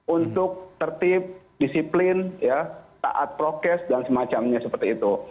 untuk tertib disiplin taat prokes dan semacamnya seperti itu